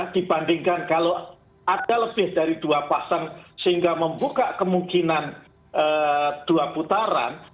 dibandingkan kalau ada lebih dari dua pasang sehingga membuka kemungkinan dua putaran